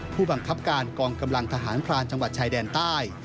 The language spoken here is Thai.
ผู้บังคับการกองกำลังทหารพรานจังหวัดชายแดนใต้